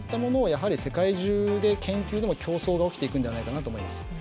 世界中で研究でも競争が起きるんじゃないかと思います。